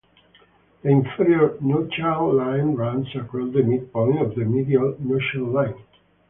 The inferior nuchal line runs across the mid-point of the "medial" nuchal line.